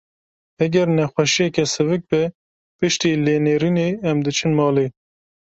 Heger nexwşiyeke sivik be, piştî lênêrînê em diçin malê.